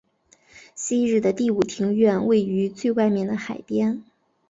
昔日的第五庭院位于最外面的海边。